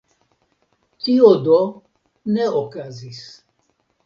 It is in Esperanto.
Tio do ne okazis.